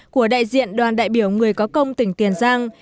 của đại diện đoàn đại biểu người có công tỉnh tiền giang